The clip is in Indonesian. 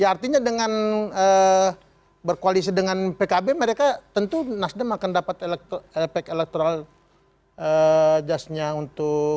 ya artinya dengan berkoalisi dengan pkb mereka tentu nasdem akan dapat efek elektoral justnya untuk